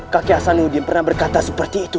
kakek hasanuddin pernah berkata seperti itu